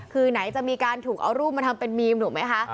คือไหนจะมีการถูกเอารูปมาทำเป็นมีมถูกไหมคะ